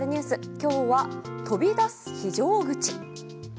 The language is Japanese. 今日は、飛び出す非常口。